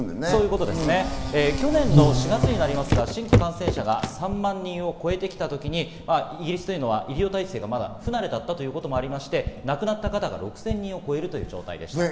去年の４月になりますが、新規感染者が３万人を超えてきた時にイギリスというのは医療体制がまだ不慣れだったこともありまして、亡くなった方が６０００人を超える状態でした。